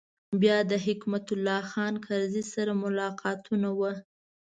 بیا د حکمت الله خان کرزي سره ملاقاتونه و.